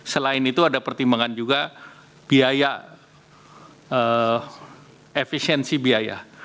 selain itu ada pertimbangan juga biaya efisiensi biaya